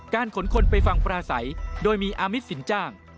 ขนคนไปฟังปราศัยโดยมีอามิตสินจ้าง